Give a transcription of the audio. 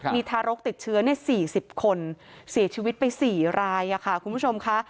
มีทารกติดเชื้อ๔๐คนเสียชีวิตไป๔รายค่ะคุณผู้ชมค่ะ